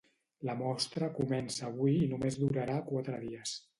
La mostra comença avui i només durarà quatre dies.